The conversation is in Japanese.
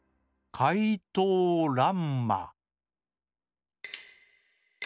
「かいとうらんま」。